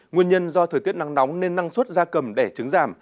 nguyên nhân do thời tiết nắng nóng nên năng suất ra cầm để trứng giảm